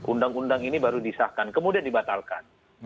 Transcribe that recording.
undang undang ini baru disahkan kemudian dibatalkan